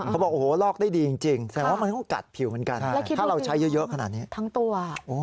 เขาบอกโอ้โหลอกได้ดีจริงแสดงว่ามันก็กัดผิวเหมือนกันถ้าเราใช้เยอะขนาดนี้ทั้งตัว